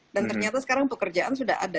dan ternyata sekarang pekerjaan sudah ada